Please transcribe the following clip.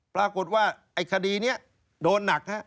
ปรากฏว่าไอ้คดีนี้โดนหนักฮะ